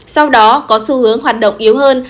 sau đó có xu hướng hoạt động yếu hơn